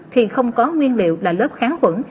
thì không có nguyên liệu là lớp kháng quẩn